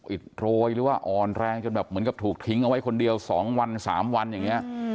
อิดโรยหรือว่าอ่อนแรงจนแบบเหมือนกับถูกทิ้งเอาไว้คนเดียว๒วัน๓วันอย่างนี้